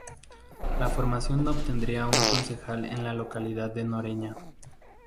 La formación obtendría un concejal en la localidad de Noreña.